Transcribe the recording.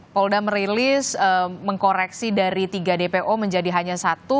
polda merilis mengkoreksi dari tiga dpo menjadi hanya satu